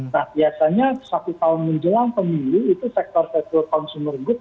nah biasanya satu tahun menjelang pemilu itu sektor sektor consumer good